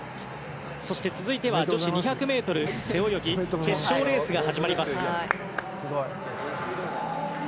そして続いては女子２００ｍ背泳ぎ決勝レースが始まります。